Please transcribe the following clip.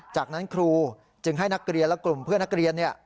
จากนั้นครูจึงให้นักเรียนและกลุ่มเพื่อนนักเรียน